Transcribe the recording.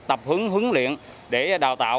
tập hướng hướng luyện để đào tạo